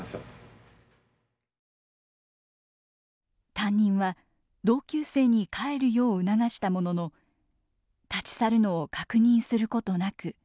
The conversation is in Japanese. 担任は同級生に帰るよう促したものの立ち去るのを確認することなくその場を離れました。